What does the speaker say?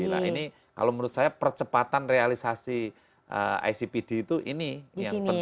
nah ini kalau menurut saya percepatan realisasi icpd itu ini yang penting